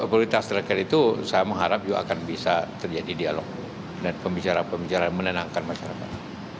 prioritas terkait itu saya mengharap juga akan bisa terjadi dialog dan pembicaraan pembicaraan menenangkan masyarakat